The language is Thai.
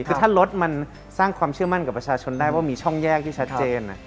คือถ้ารถมันสร้างความเชื่อมั่นกับประชาชนได้ว่ามีช่องแยกที่ชัดเจน